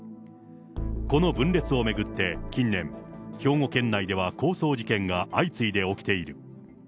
この分裂を巡って近年、兵庫県内では抗争事件が相次いで起きている。